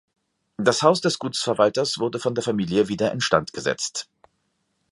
Das Haus des Gutsverwalters wurde von der Familie wieder instand gesetzt.